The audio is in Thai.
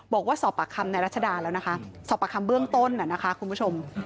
บอกว่าสอบปากคำในรัชดาแล้วนะคะสอบปากคำเบื้องต้นนะคะคุณผู้ชม